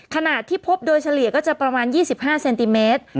ที่พบโดยเฉลี่ยก็จะประมาณ๒๕เซนติเมตร